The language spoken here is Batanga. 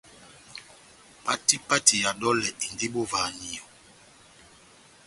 Pati pati ya dolɛ endi bovahaniyo.